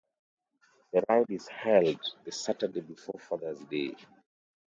The ride is held the Saturday before Father's Day.